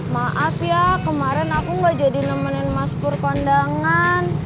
maaf ya kemarin aku gak jadi nemenin maskur kondangan